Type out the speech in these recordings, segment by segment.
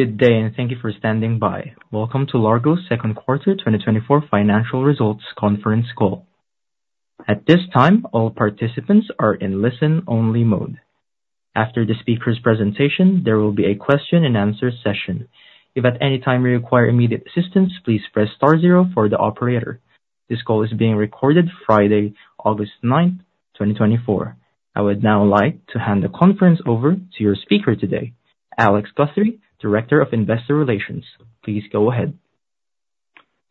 Good day, and thank you for standing by. Welcome to Largo's second quarter 2024 financial results conference call. At this time, all participants are in listen-only mode. After the speaker's presentation, there will be a question and answer session. If at any time you require immediate assistance, please press star zero for the operator. This call is being recorded Friday, August ninth, 2024. I would now like to hand the conference over to your speaker today, Alex Guthrie, Director of Investor Relations. Please go ahead.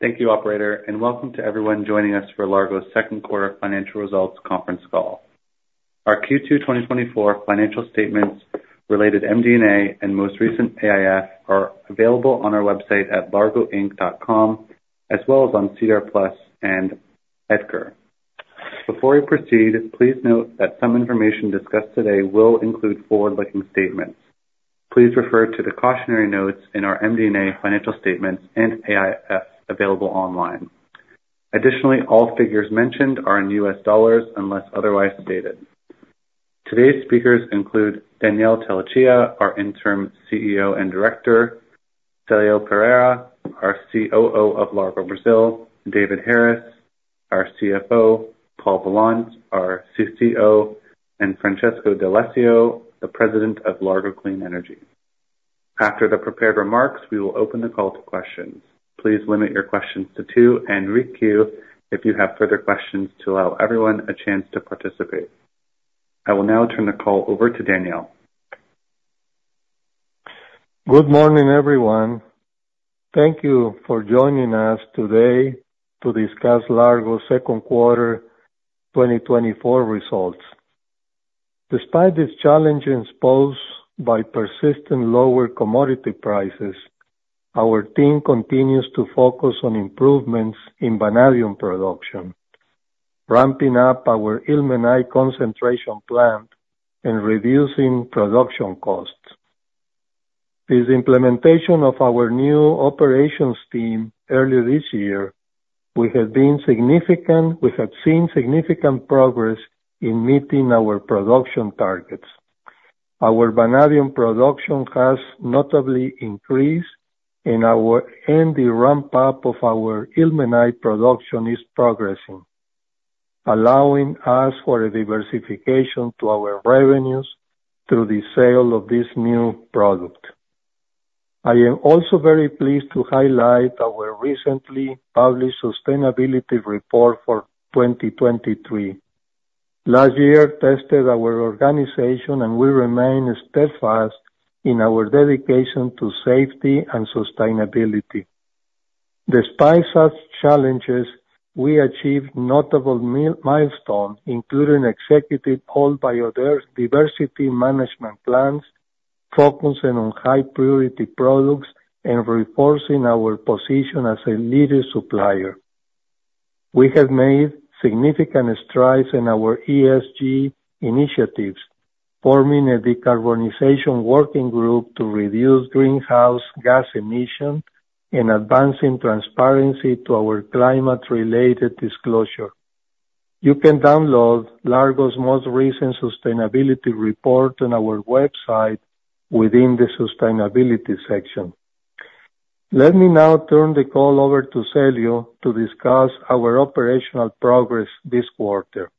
Thank you, operator, and welcome to everyone joining us for Largo's second quarter financial results conference call. Our Q2 2024 financial statements related MD&A and most recent AIF are available on our website at largoinc.com, as well as on SEDAR+ and EDGAR. Before we proceed, please note that some information discussed today will include forward-looking statements. Please refer to the cautionary notes in our MD&A financial statements and AIF available online. Additionally, all figures mentioned are in US dollars, unless otherwise stated. Today's speakers include Daniel Telechea, our Interim CEO and Director, Celio Pereira, our COO of Largo Brazil, David Harris, our CFO, Paul Vallance, our CCO, and Francesco d’Alessio, the President of Largo Clean Energy. After the prepared remarks, we will open the call to questions. Please limit your questions to two and requeue if you have further questions to allow everyone a chance to participate. I will now turn the call over to Daniel. Good morning, everyone. Thank you for joining us today to discuss Largo's second quarter 2024 results. Despite these challenges posed by persistent lower commodity prices, our team continues to focus on improvements in vanadium production, ramping up our ilmenite concentration plant and reducing production costs. With the implementation of our new operations team earlier this year, we have seen significant progress in meeting our production targets. Our vanadium production has notably increased, and the ramp-up of our ilmenite production is progressing, allowing us for a diversification to our revenues through the sale of this new product. I am also very pleased to highlight our recently published sustainability report for 2023. Last year tested our organization, and we remain steadfast in our dedication to safety and sustainability. Despite such challenges, we achieved notable milestone, including executive whole biodiversity management plans, focusing on high priority projects, and reinforcing our position as a leading supplier. We have made significant strides in our ESG initiatives, forming a decarbonization working group to reduce greenhouse gas emissions and advancing transparency to our climate-related disclosures. You can download Largo's most recent sustainability report on our website within the sustainability section. Let me now turn the call over to Celio to discuss our operational progress this quarter.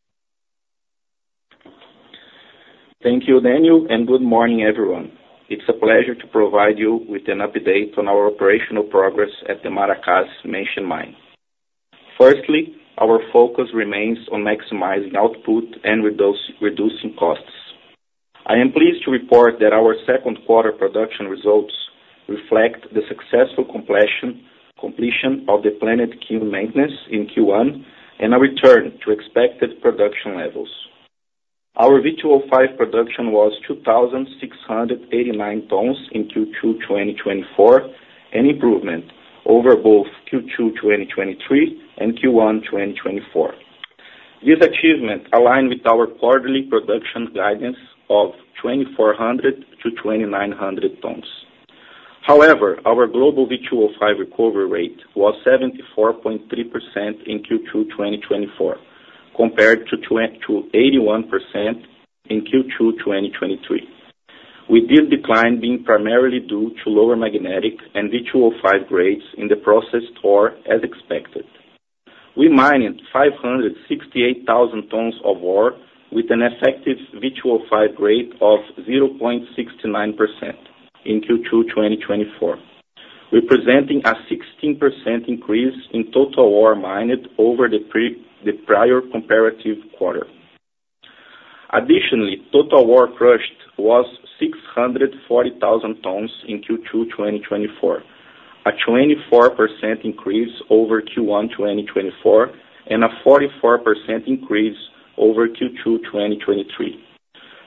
Thank you, Daniel, and good morning, everyone. It's a pleasure to provide you with an update on our operational progress at the Maracás Mine. Firstly, our focus remains on maximizing output and reducing costs. I am pleased to report that our second quarter production results reflect the successful completion of the planned kiln maintenance in Q1 and a return to expected production levels. Our V2O5 production was 2,689 tons in Q2 2024, an improvement over both Q2 2023 and Q1 2024. This achievement aligned with our quarterly production guidance of 2,400-2,900 tons. However, our global V2O5 recovery rate was 74.3% in Q2 2024, compared to 81% in Q2 2023, with this decline being primarily due to lower magnetic and V2O5 grades in the processed ore as expected. We mined 568,000 tons of ore with an effective V2O5 grade of 0.69% in Q2 2024, representing a 16% increase in total ore mined over the prior comparative quarter. Additionally, total ore crushed was 640,000 tons in Q2 2024, a 24% increase over Q1 2024 and a 44% increase over Q2 2023.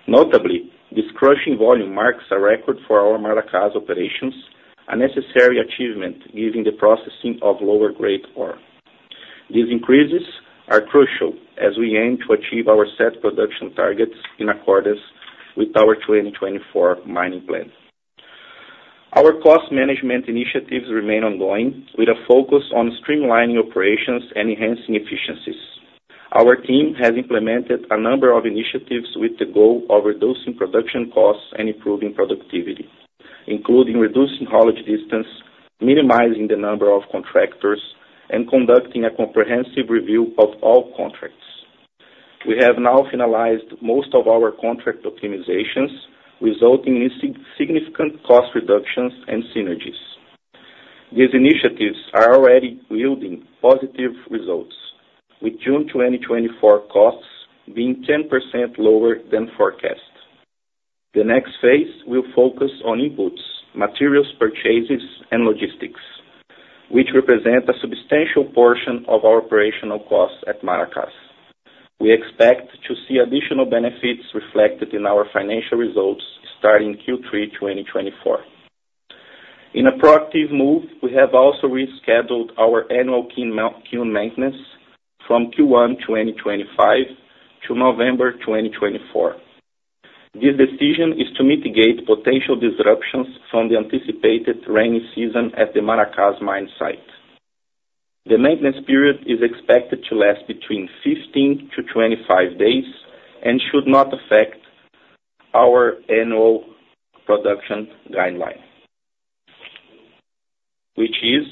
Notably, this crushing volume marks a record for our Maracás operations, a necessary achievement given the processing of lower grade ore. These increases are crucial as we aim to achieve our set production targets in accordance with our 2024 mining plan. Our cost management initiatives remain ongoing, with a focus on streamlining operations and enhancing efficiencies.... Our team has implemented a number of initiatives with the goal of reducing production costs and improving productivity, including reducing haulage distance, minimizing the number of contractors, and conducting a comprehensive review of all contracts. We have now finalized most of our contract optimizations, resulting in significant cost reductions and synergies. These initiatives are already yielding positive results, with June 2024 costs being 10% lower than forecast. The next phase will focus on inputs, materials, purchases, and logistics, which represent a substantial portion of our operational costs at Maracás. We expect to see additional benefits reflected in our financial results starting Q3 2024. In a proactive move, we have also rescheduled our annual kiln maintenance from Q1 2025 to November 2024. This decision is to mitigate potential disruptions from the anticipated rainy season at the Maracás mine site. The maintenance period is expected to last between 15-25 days and should not affect our annual production guideline, which is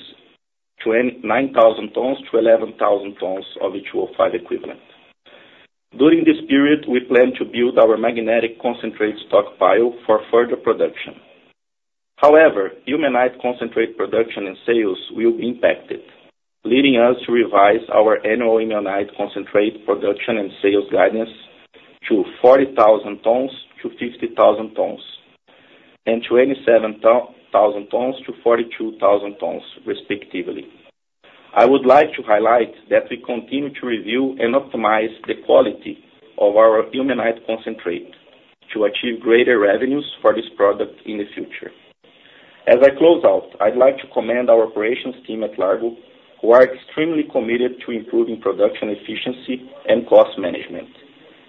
29,000 tons to 11,000 tons of V2O5 equivalent. During this period, we plan to build our magnetic concentrate stockpile for further production. However, ilmenite concentrate production and sales will be impacted, leading us to revise our annual ilmenite concentrate production and sales guidance to 40,000 tons to 50,000 tons and 27,000 tons to 42,000 tons, respectively. I would like to highlight that we continue to review and optimize the quality of our ilmenite concentrate to achieve greater revenues for this product in the future. As I close out, I'd like to commend our operations team at Largo, who are extremely committed to improving production efficiency and cost management.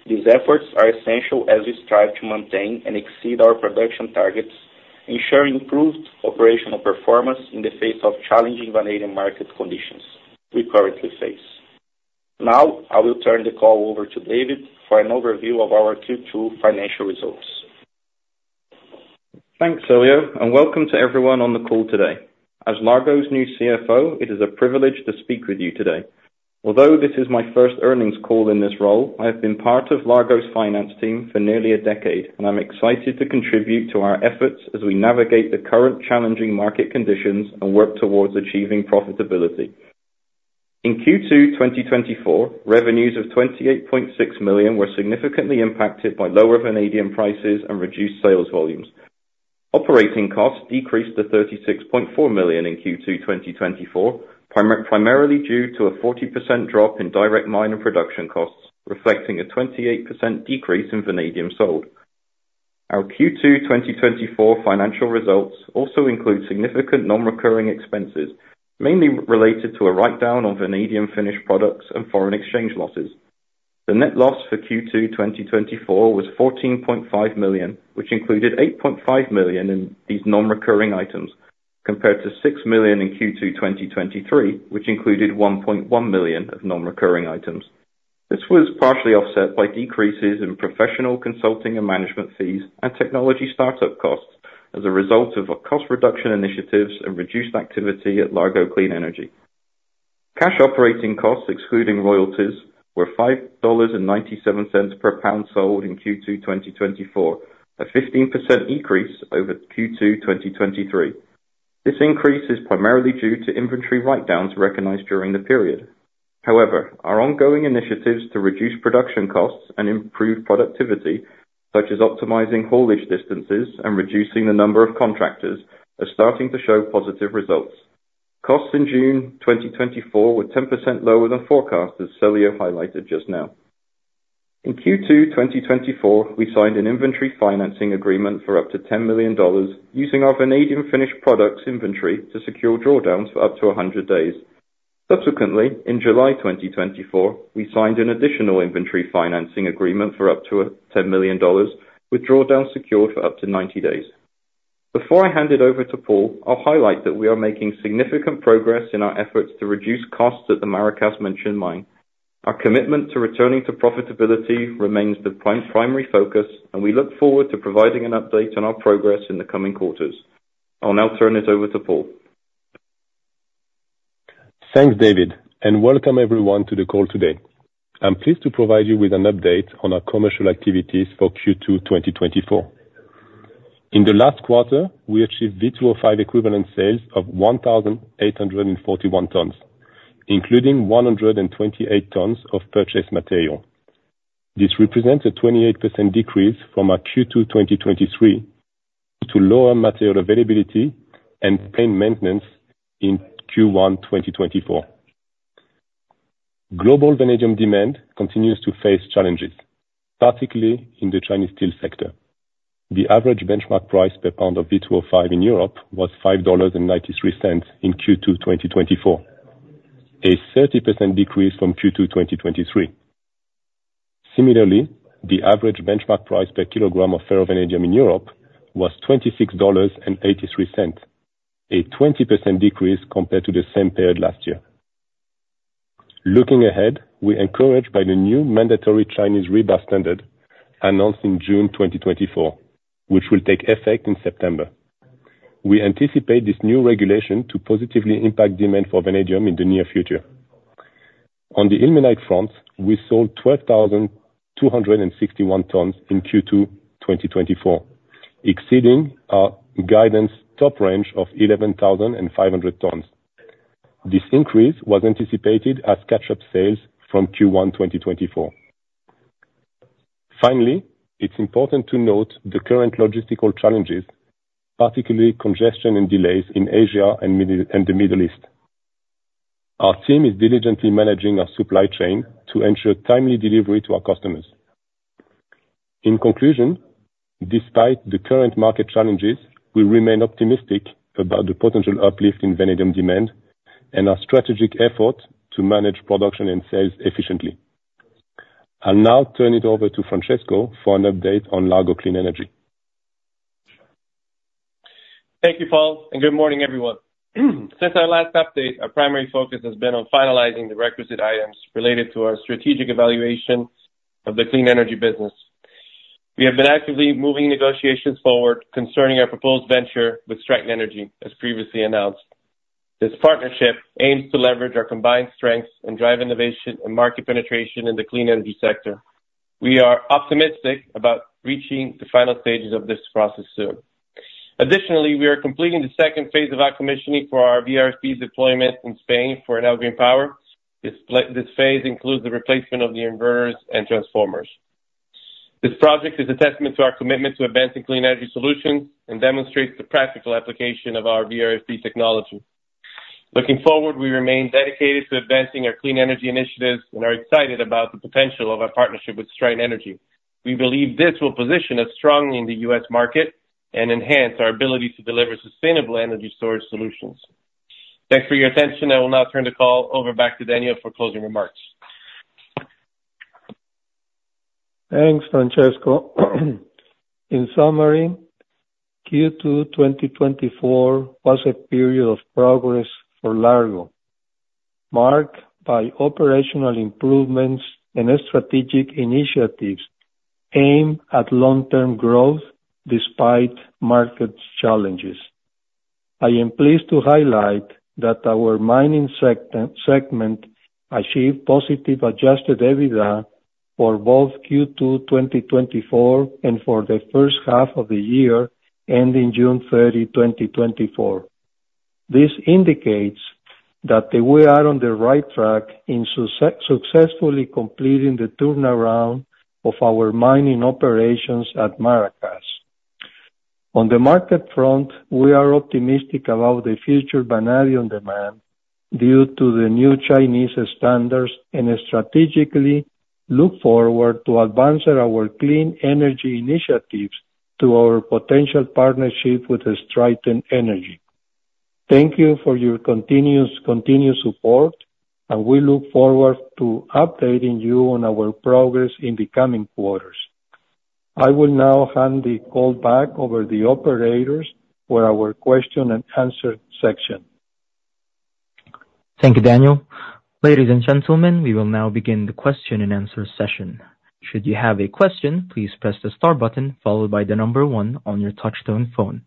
These efforts are essential as we strive to maintain and exceed our production targets, ensuring improved operational performance in the face of challenging vanadium market conditions we currently face. Now, I will turn the call over to David for an overview of our Q2 financial results. Thanks, Célio, and welcome to everyone on the call today. As Largo's new CFO, it is a privilege to speak with you today. Although this is my first earnings call in this role, I have been part of Largo's finance team for nearly a decade, and I'm excited to contribute to our efforts as we navigate the current challenging market conditions and work towards achieving profitability. In Q2 2024, revenues of $28.6 million were significantly impacted by lower vanadium prices and reduced sales volumes. Operating costs decreased to $36.4 million in Q2 2024, primarily due to a 40% drop in direct mine and production costs, reflecting a 28% decrease in vanadium sold. Our Q2 2024 financial results also include significant non-recurring expenses, mainly related to a write-down on vanadium finished products and foreign exchange losses. The net loss for Q2 2024 was $14.5 million, which included $8.5 million in these non-recurring items, compared to $6 million in Q2 2023, which included $1.1 million of non-recurring items. This was partially offset by decreases in professional consulting and management fees and technology start-up costs as a result of a cost reduction initiatives and reduced activity at Largo Clean Energy. Cash operating costs, excluding royalties, were $5.97 per pound sold in Q2 2024, a 15% decrease over Q2 2023. This increase is primarily due to inventory write-downs recognized during the period. However, our ongoing initiatives to reduce production costs and improve productivity, such as optimizing haulage distances and reducing the number of contractors, are starting to show positive results. Costs in June 2024 were 10% lower than forecast, as Célio highlighted just now. In Q2 2024, we signed an inventory financing agreement for up to $10 million, using our vanadium finished products inventory to secure drawdowns for up to 100 days. Subsequently, in July 2024, we signed an additional inventory financing agreement for up to $10 million, with drawdown secured for up to 90 days. Before I hand it over to Paul, I'll highlight that we are making significant progress in our efforts to reduce costs at the Maracás Mine. Our commitment to returning to profitability remains the primary focus, and we look forward to providing an update on our progress in the coming quarters. I'll now turn it over to Paul. Thanks, David, and welcome everyone to the call today. I'm pleased to provide you with an update on our commercial activities for Q2 2024. In the last quarter, we achieved V2O5 equivalent sales of 1,841 tons, including 128 tons of purchased material. This represents a 28% decrease from our Q2 2023 due to lower material availability and planned maintenance in Q1 2024. Global vanadium demand continues to face challenges, particularly in the Chinese steel sector. The average benchmark price per pound of V2O5 in Europe was $5.93 in Q2 2024, a 30% decrease from Q2 2023. Similarly, the average benchmark price per kilogram of ferrovanadium in Europe was $26.83, a 20% decrease compared to the same period last year. Looking ahead, we're encouraged by the new mandatory Chinese rebar standard announced in June 2024, which will take effect in September. We anticipate this new regulation to positively impact demand for vanadium in the near future. On the ilmenite front, we sold 12,261 tons in Q2 2024, exceeding our guidance top range of 11,500 tons. This increase was anticipated as catch-up sales from Q1 2024. Finally, it's important to note the current logistical challenges, particularly congestion and delays in Asia and the Middle East. Our team is diligently managing our supply chain to ensure timely delivery to our customers. In conclusion, despite the current market challenges, we remain optimistic about the potential uplift in vanadium demand and our strategic effort to manage production and sales efficiently. I'll now turn it over to Francesco for an update on Largo Clean Energy. Thank you, Paul, and good morning, everyone. Since our last update, our primary focus has been on finalizing the requisite items related to our strategic evaluation of the clean energy business. We have been actively moving negotiations forward concerning our proposed venture with Stryten Energy, as previously announced. This partnership aims to leverage our combined strengths and drive innovation and market penetration in the clean energy sector. We are optimistic about reaching the final stages of this process soon. Additionally, we are completing the second phase of our commissioning for our VRF deployment in Spain for Enel Green Power. This phase includes the replacement of the inverters and transformers. This project is a testament to our commitment to advancing clean energy solutions and demonstrates the practical application of our VRF technology. Looking forward, we remain dedicated to advancing our clean energy initiatives and are excited about the potential of our partnership with Stryten Energy. We believe this will position us strongly in the U.S. market and enhance our ability to deliver sustainable energy storage solutions. Thanks for your attention. I will now turn the call over back to Daniel for closing remarks. Thanks, Francesco. In summary, Q2 2024 was a period of progress for Largo, marked by operational improvements and strategic initiatives aimed at long-term growth despite market challenges. I am pleased to highlight that our mining segment achieved positive Adjusted EBITDA for both Q2 2024 and for the first half of the year, ending June 30, 2024. This indicates that we are on the right track in successfully completing the turnaround of our mining operations at Maracás. On the market front, we are optimistic about the future vanadium demand due to the new Chinese standards, and strategically look forward to advancing our clean energy initiatives to our potential partnership with Stryten Energy. Thank you for your continuous support, and we look forward to updating you on our progress in the coming quarters. I will now hand the call back over to the operators for our question and answer section. Thank you, Daniel. Ladies and gentlemen, we will now begin the question and answer session. Should you have a question, please press the star button followed by the number one on your touchtone phone.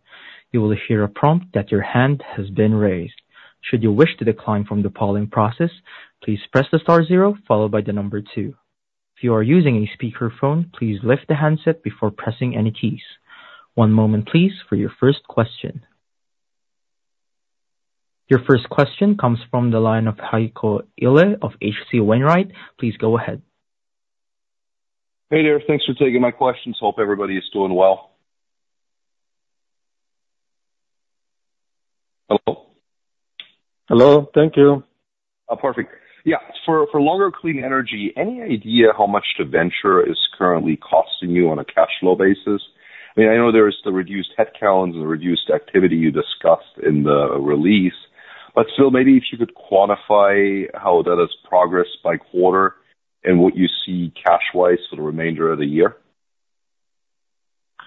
You will hear a prompt that your hand has been raised. Should you wish to decline from the polling process, please press the star zero followed by the number two. If you are using a speakerphone, please lift the handset before pressing any keys. One moment, please, for your first question. Your first question comes from the line of Heiko Ihle of H.C. Wainwright. Please go ahead. Hey there. Thanks for taking my questions. Hope everybody is doing well. Hello? Hello. Thank you. Perfect. Yeah, for Largo Clean Energy, any idea how much the venture is currently costing you on a cash flow basis? I mean, I know there is the reduced headcounts and the reduced activity you discussed in the release, but still, maybe if you could quantify how that has progressed by quarter and what you see cash-wise for the remainder of the year.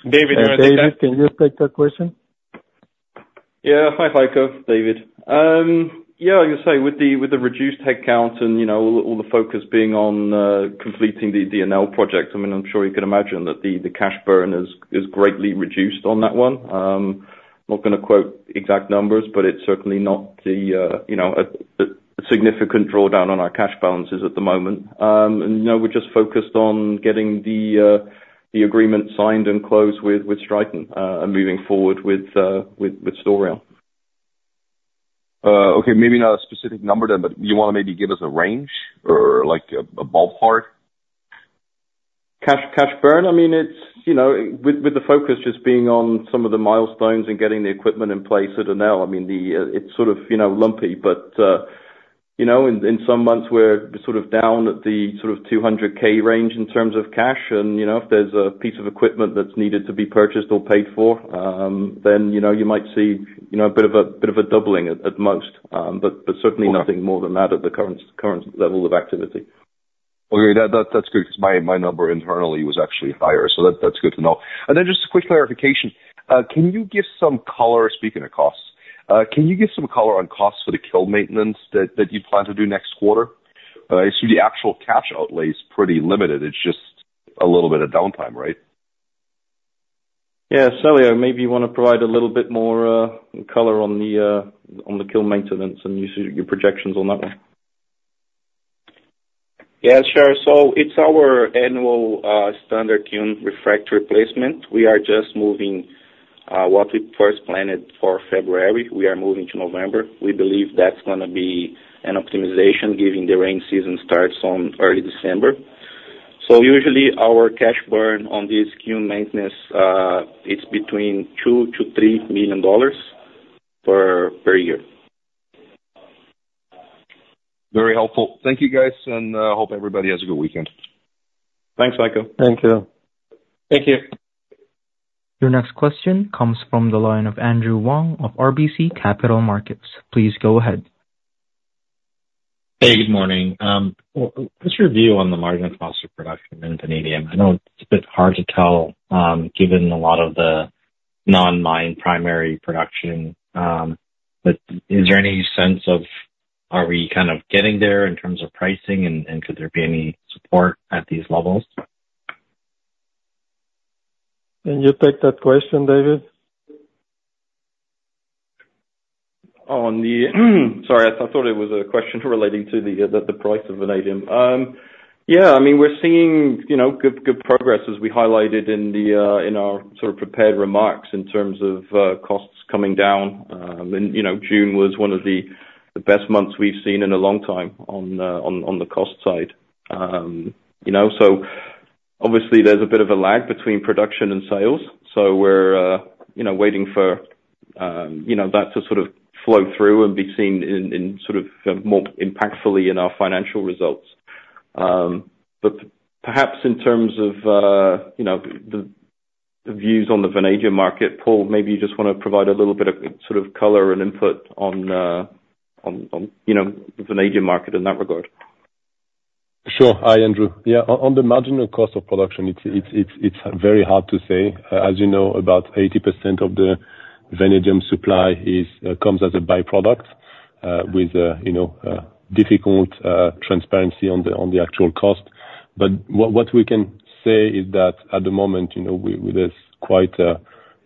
David, do you want to take that? David, can you take that question? Yeah. Hi, Heiko, David. Yeah, I would say with the reduced headcount and, you know, all the focus being on completing the Enel project, I mean, I'm sure you can imagine that the cash burn is greatly reduced on that one. Not going to quote exact numbers, but it's certainly not, you know, a significant drawdown on our cash balances at the moment. And, you know, we're just focused on getting the agreement signed and closed with Stryten, and moving forward with Stryten. Okay, maybe not a specific number then, but you want to maybe give us a range or, like, a ballpark? Cash, cash burn? I mean, it's, you know, with the focus just being on some of the milestones and getting the equipment in place at Enel, I mean, the, it's sort of, you know, lumpy, but, you know, in some months we're sort of down at the sort of $200,000 range in terms of cash. And, you know, if there's a piece of equipment that's needed to be purchased or paid for, then, you know, you might see, you know, a bit of a, bit of a doubling at most, but certainly nothing more than that at the current level of activity. Okay, that's good, because my number internally was actually higher, so that's good to know. And then just a quick clarification. Can you give some color, speaking of costs, on costs for the kiln maintenance that you plan to do next quarter? I see the actual cash outlay is pretty limited. It's just a little bit of downtime, right? Yeah. Celio, maybe you want to provide a little bit more color on the kiln maintenance and your projections on that one. Yeah, sure. So it's our annual, standard kiln refractory replacement. We are just moving, what we first planned for February, we are moving to November. We believe that's gonna be an optimization, given the rain season starts on early December. So usually our cash burn on this kiln maintenance, it's between $2-$3 million per year. Very helpful. Thank you, guys, and hope everybody has a good weekend. Thanks, Michael. Thank you. Thank you. Your next question comes from the line of Andrew Wong of RBC Capital Markets. Please go ahead. Hey, good morning. What's your view on the margin of FeV production in vanadium? I know it's a bit hard to tell, given a lot of the non-mine primary production, but is there any sense of are we kind of getting there in terms of pricing, and, and could there be any support at these levels? Can you take that question, David? Oh, sorry, I thought it was a question relating to the price of vanadium. Yeah, I mean, we're seeing, you know, good, good progress as we highlighted in our sort of prepared remarks in terms of costs coming down. And, you know, June was one of the best months we've seen in a long time on the cost side. You know, so obviously there's a bit of a lag between production and sales. So we're, you know, waiting for that to sort of flow through and be seen in sort of more impactfully in our financial results. Perhaps in terms of, you know, the views on the vanadium market, Paul, maybe you just want to provide a little bit of sort of color and input on, you know, the vanadium market in that regard. Sure. Hi, Andrew. Yeah, on the marginal cost of production, it's very hard to say. As you know, about 80% of the vanadium supply comes as a by-product with, you know, difficult transparency on the actual cost. But what we can say is that at the moment, you know, there's quite a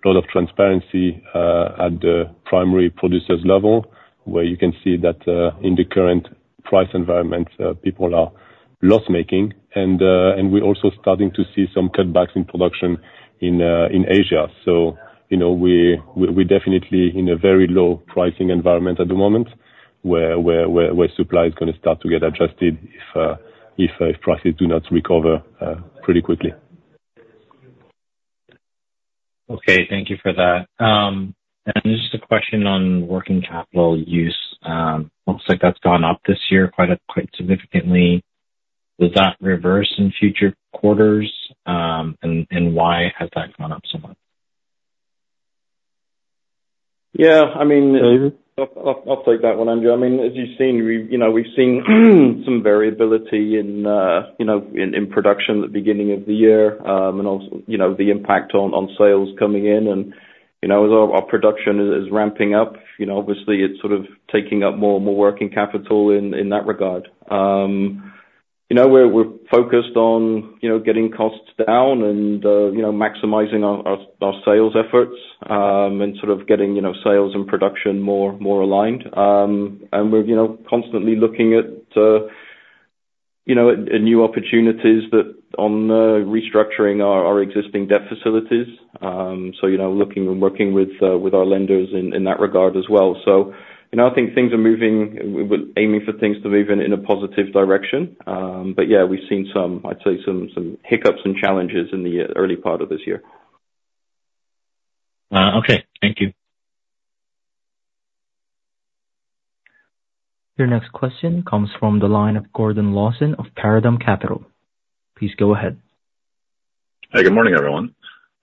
lot of transparency at the primary producers level, where you can see that in the current price environment people are loss-making, and we're also starting to see some cutbacks in production in Asia. So, you know, we're definitely in a very low pricing environment at the moment, where supply is gonna start to get adjusted if prices do not recover pretty quickly. Okay, thank you for that. Just a question on working capital use. Looks like that's gone up this year, quite, quite significantly. Will that reverse in future quarters? And why has that gone up so much? Yeah, I mean- David? I'll take that one, Andrew. I mean, as you've seen, we've, you know, we've seen some variability in, you know, in, in production at the beginning of the year, and also, you know, the impact on, on sales coming in. And, you know, as our, our production is, is ramping up, you know, obviously, it's sort of taking up more and more working capital in, in that regard. You know, we're, we're focused on, you know, getting costs down and, you know, maximizing our, our, our sales efforts, and sort of getting, you know, sales and production more, more aligned. And we're, you know, constantly looking at, you know, at new opportunities that on, restructuring our, our existing debt facilities. So, you know, looking and working with, with our lenders in, in that regard as well. So, you know, I think things are moving, aiming for things to move in a positive direction. But yeah, we've seen some, I'd say, some hiccups and challenges in the early part of this year. Okay. Thank you. Your next question comes from the line of Gordon Lawson of Paradigm Capital. Please go ahead. Hi, good morning, everyone.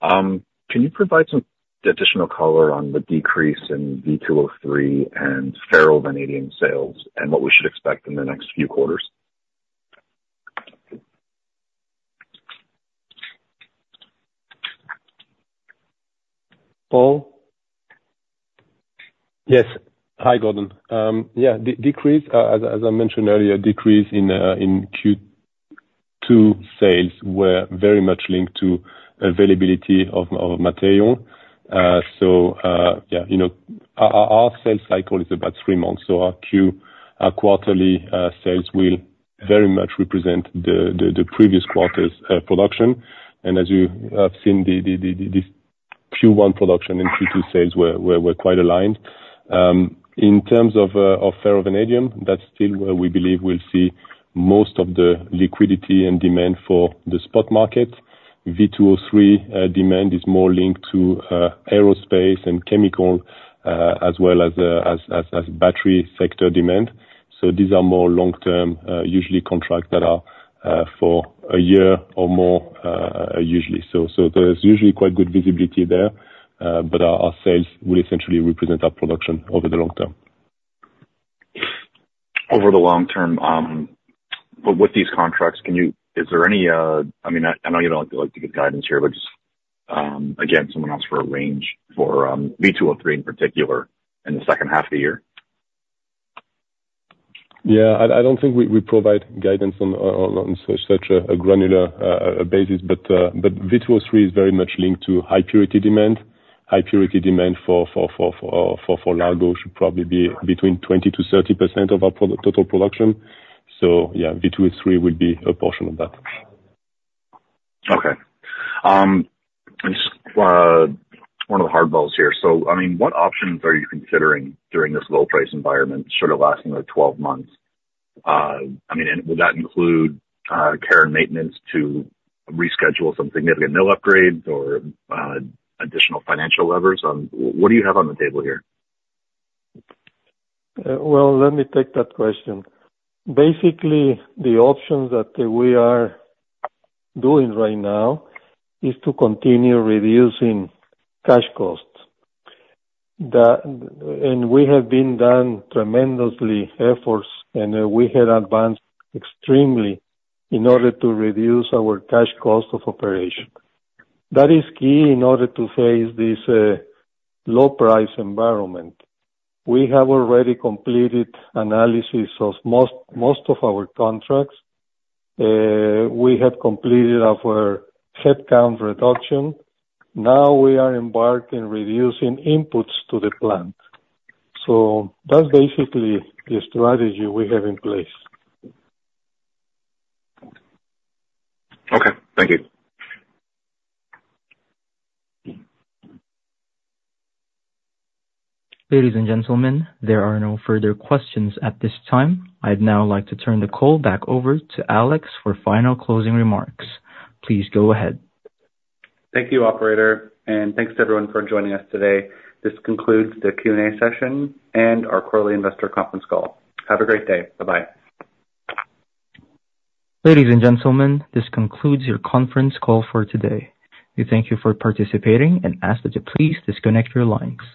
Can you provide some additional color on the decrease in V2O3 and ferrovanadium sales and what we should expect in the next few quarters? Paul? Yes. Hi, Gordon. Yeah, decrease, as I mentioned earlier, decrease in Q2 sales were very much linked to availability of material. So, yeah, you know, our sales cycle is about three months, so our quarterly sales will very much represent the previous quarter's production. And as you have seen, the Q1 production and Q2 sales were quite aligned. In terms of ferrovanadium, that's still where we believe we'll see most of the liquidity and demand for the spot market. V2O3 demand is more linked to aerospace and chemical, as well as battery sector demand. So these are more long-term, usually contract that are for a year or more, usually. So there's usually quite good visibility there, but our sales will essentially represent our production over the long term. ...Over the long term, but with these contracts, can you- is there any, I mean, I, I know you don't like to, like to give guidance here, but just, again, someone asked for a range for V2O3 in particular, in the second half of the year? Yeah, I don't think we provide guidance on such a granular basis, but V2O3 is very much linked to high purity demand. High purity demand for Largo should probably be between 20%-30% of our total production. So yeah, V2O3 would be a portion of that. Okay. Just one of the hard balls here. So, I mean, what options are you considering during this low price environment sort of lasting, like, 12 months? I mean, and would that include care and maintenance to reschedule some significant mill upgrades or additional financial levers on... What do you have on the table here? Well, let me take that question. Basically, the options that we are doing right now is to continue reducing cash costs. And we have been done tremendously efforts, and we have advanced extremely in order to reduce our cash cost of operation. That is key in order to face this low price environment. We have already completed analysis of most, most of our contracts. We have completed our headcount reduction. Now we are embarking reducing inputs to the plant. So that's basically the strategy we have in place. Okay, thank you. Ladies and gentlemen, there are no further questions at this time. I'd now like to turn the call back over to Alex for final closing remarks. Please go ahead. Thank you, operator, and thanks to everyone for joining us today. This concludes the Q&A session and our quarterly investor conference call. Have a great day. Bye-bye. Ladies and gentlemen, this concludes your conference call for today. We thank you for participating and ask that you please disconnect your lines.